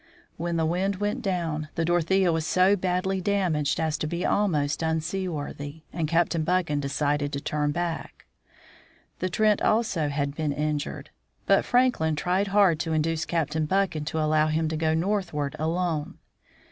When the wind went down, the Dorothea was so badly damaged as to be almost unsea worthy, and Captain Buchan decided to turn back. The Trent also had been injured, but Franklin tried hard to induce Captain Buchan to allow him to go northward Icebergs in the Polar Sea. alone.